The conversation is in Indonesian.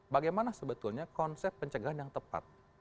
bagaimana sebetulnya konsep pencegahan yang tepat